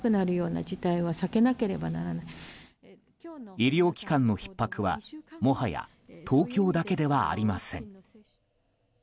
医療機関のひっ迫はもはや東京だけではありません。